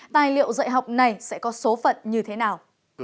tài liệu dạy học này sẽ có số phận như thế nào